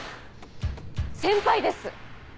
先輩です。